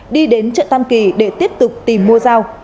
đi đến chợ tam kỳ để tiếp tục tìm mua dao